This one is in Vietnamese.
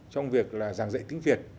trong việc là giảng dạy tiếng việt